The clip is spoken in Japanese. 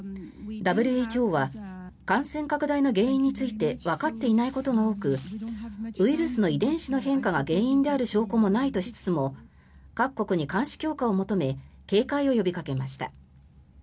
ＷＨＯは感染拡大の原因についてわかっていないことが多くウイルスの遺伝子の変化が原因である証拠はないとしつつも各国に監視強化を求め警戒を呼びかけました。